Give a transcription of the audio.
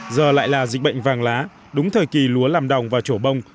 giờ lại là dịch bệnh vàng lá đúng thời kỳ lúa làm đồng và trổ bông